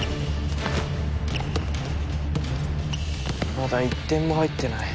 まだ一点も入ってない。